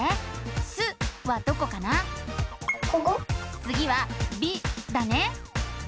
つぎは「び」だね。